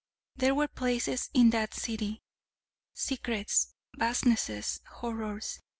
There were places in that city! secrets, vastnesses, horrors!